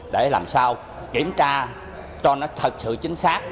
để làm sao kiểm tra cho nó thật sự chính xác